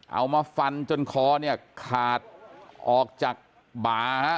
เอามาฟันจนคอเนี่ยขาดออกจากบ่าฮะ